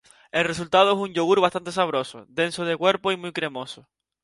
El resultado es un yogur bastante sabroso, denso de cuerpo y muy cremoso.